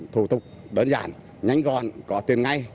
thủ tục đơn giản nhanh gọn có tiền ngay